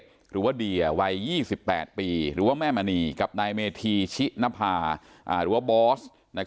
หรือว่าเดียวัย๒๘ปีหรือว่าแม่มณีกับนายเมธีชินภาหรือว่าบอส